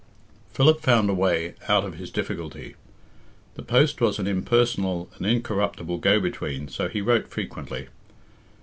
Philip found a way out of his difficulty. The post was an impersonal and incorruptible go between, so he wrote frequently.